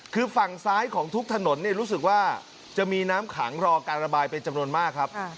คือฝั่งซ้ายของทุกถนนรู้สึกว่าจะมีน้ำขังรอการระบายเป็นจำนวนมากครับ